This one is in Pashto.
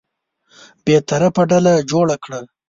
بېطرفه ډله جوړه کړه.